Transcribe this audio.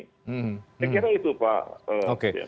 saya kira itu pak